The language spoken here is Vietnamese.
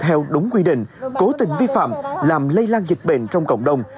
theo đúng quy định cố tình vi phạm làm lây lan dịch bệnh trong cộng đồng